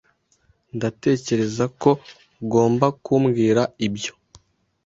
Ndatekereza ko ugomba kubwira ibyo.